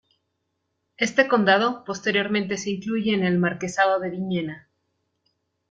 Este condado posteriormente se incluye en el marquesado de Villena.